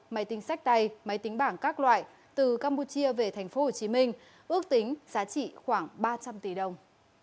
máy tính sách tay máy tính bảng các loại từ campuchia về tp hcm ước tính giá trị khoảng ba trăm linh tỷ đồng